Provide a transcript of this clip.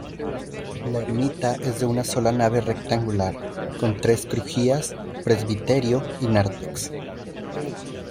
La ermita es de una sola nave rectangular, con tres crujías, presbiterio y nártex.